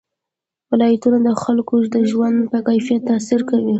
ولایتونه د خلکو د ژوند په کیفیت تاثیر کوي.